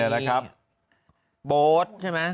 บดใช่มั้ยคุณบอย